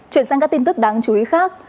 chuyển sang các tin tức đáng chú ý khác